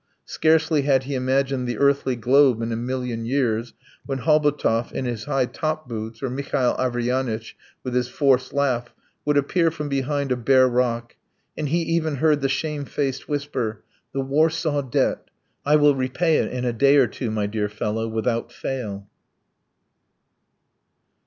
Scarcely had he imagined the earthly globe in a million years, when Hobotov in his high top boots or Mihail Averyanitch with his forced laugh would appear from behind a bare rock, and he even heard the shamefaced whisper: "The Warsaw debt. ... I will repay it in a day or two, my dear fellow, without fail.